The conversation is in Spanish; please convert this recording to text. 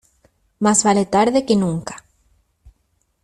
Más vale tarde que nunca.